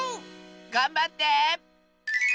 がんばって！